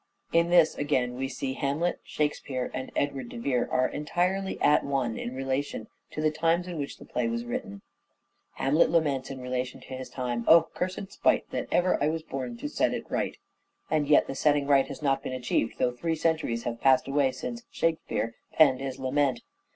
In this again we see Hamlet, " Shakespeare " and Edward de Vere are entirely at one in relation to the times in which the play was written. Hamlet laments in relation to his time " O, cursed spite that ever I was born to set it right." And yet the setting right has not been achieved though three centuries have passed away since " Shakespeare " penned this lament.